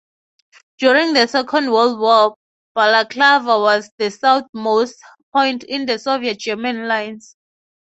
During the Second World War, Balaklava was the southernmost point in the Soviet-German lines.